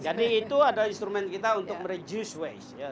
jadi itu ada instrumen kita untuk reduce waste ya